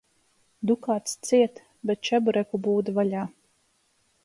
Dukāts ciet, bet čebureku būda vaļā.